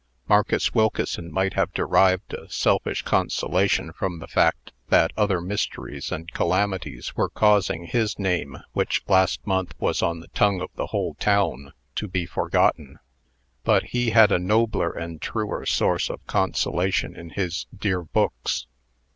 Marcus Wilkeson might have derived a selfish consolation from the fact that other mysteries and calamities were causing his name, which last month was on the tongue of the whole town, to be forgotten. But he had a nobler and truer source of consolation in his dear books.